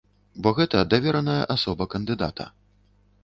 Бо гэта давераная асоба кандыдата.